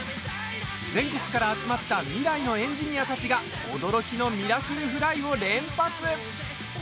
全国から集まった未来のエンジニアたちが驚きのミラクルフライを連発！